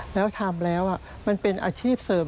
แล้วทำแล้วมันเป็นอาชีพเสริม